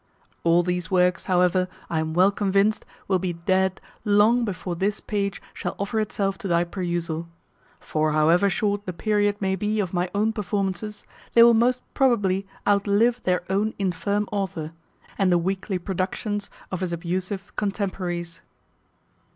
All these works, however, I am well convinced, will be dead long before this page shall offer itself to thy perusal; for however short the period may be of my own performances, they will most probably outlive their own infirm author, and the weakly productions of his abusive contemporaries.